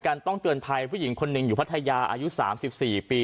ต้องเตือนภัยผู้หญิงคนหนึ่งอยู่พัทยาอายุ๓๔ปี